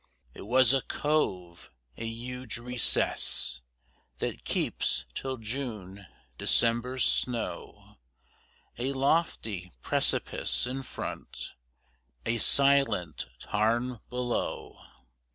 It was a cove, a huge recess That keeps, till June, December's snow; A lofty precipice in front, A silent tarn below.